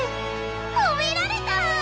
ほめられた！